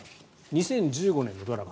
２０１５年のドラマ。